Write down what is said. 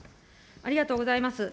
ありがとうございます。